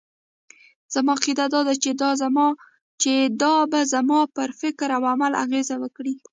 زما عقيده دا ده چې دا به زما پر فکراو عمل اغېز وکړي.